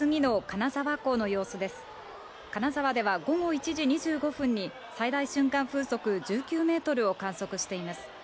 金沢では午後１時２５分に、最大瞬間風速１９メートルを観測しています。